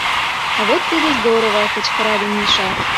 — Вот тиде здорово! — кычкырале Миша.